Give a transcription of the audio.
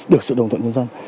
được sự đồng thuận nhân dân